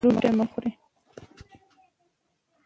ايا تاسې خپل ښوونځی ښکلی کړی دی؟